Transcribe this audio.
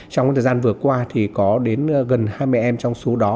trong thời gian vừa qua thì có đến gần hai mươi em trong số đó